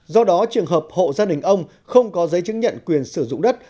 do đó trường hợp hộ gia đình ông không có giấy chứng nhận quyền sử dụng đất